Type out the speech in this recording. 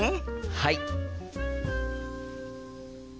はい！